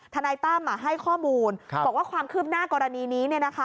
นายตั้มให้ข้อมูลบอกว่าความคืบหน้ากรณีนี้